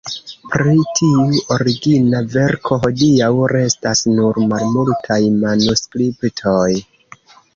Pri tiu origina verko hodiaŭ restas nur malmultaj manuskriptoj.